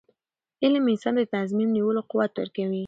علم انسان ته د تصمیم نیولو قوت ورکوي.